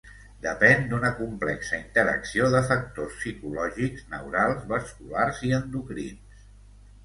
Depèn d'una complexa interacció de factors psicològics, neurals, vasculars i endocrins.